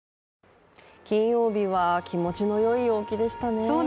金曜日は気持ちのよい陽気でしたね。